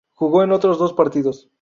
Jugó en otros dos partidos.